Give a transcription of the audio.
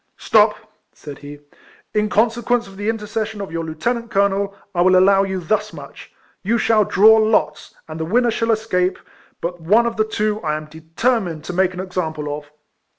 " Stop," said he. " In conse quence of the intercession of your lieute nant colonel, I will allow you thus much : RIFLEMAN HARRIS. 203 you shall draw lots, and the winner shall escape ; but one of the two I am determined to make an example of."